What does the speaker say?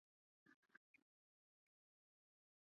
布尔格豪森是德国巴伐利亚州的一个市镇。